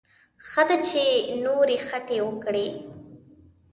ښه ده چې نورې خټې وکړي.